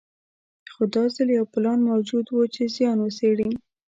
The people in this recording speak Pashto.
خو دا ځل یو پلان موجود و چې زیان وڅېړي.